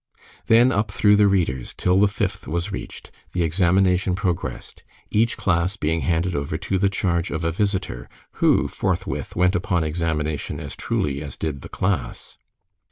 Then up through the Readers, till the Fifth was reached, the examination progressed, each class being handed over to the charge of a visitor, who forthwith went upon examination as truly as did the class.